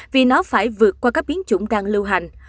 vì nó phải vượt qua các biến chủng đang lưu hành